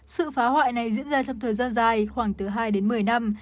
sự phá hoại này diễn ra trong thời gian dài khoảng từ hai đến một mươi năm